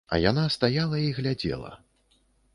А яна стаяла і глядзела.